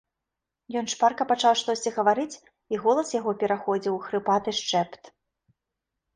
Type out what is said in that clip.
Ён шпарка пачаў штосьці гаварыць, і голас яго пераходзіў у хрыпаты шэпт.